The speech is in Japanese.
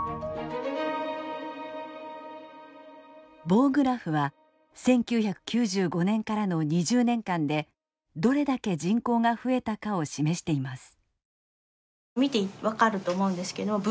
棒グラフは１９９５年からの２０年間でどれだけ人口が増えたかを示しています。